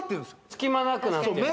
隙間なくなってんだ